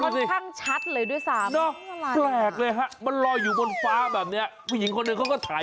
ช้างช้างมาช้างมา